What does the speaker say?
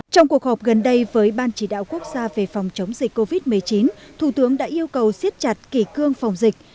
trong cuộc họp gần đây với ban chỉ đạo quốc gia về phòng chống dịch covid một mươi chín thủ tướng đã yêu cầu siết chặt kỷ cương phòng dịch